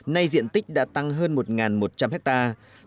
nay diện tích đã tăng hơn một một trăm linh hectare